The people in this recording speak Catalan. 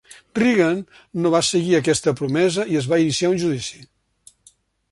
Reagan no va seguir aquesta promesa i es va iniciar un judici.